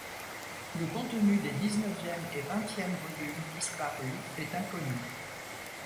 Le contenu des dix-neuvième et vingtième volumes disparus est inconnu.